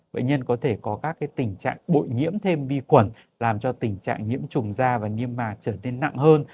bệnh nhân có thể có các cái tình trạng bội nhiễm thêm vi quẩn làm cho tình trạng nhiễm trùng da và nghiêm mặt trở nên nặng hơn